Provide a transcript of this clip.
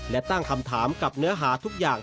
และตั้งคำถามกับเนื้อหาทุกอย่าง